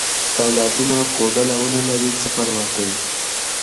که اولادونه کوډله ونه لري، څه پروا کوي؟